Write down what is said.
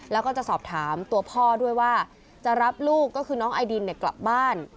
แล้วก็จะสอบถามตัวพ่อด้วยว่าจะรับลูกก็คือน้องไอดินกลับบ้าน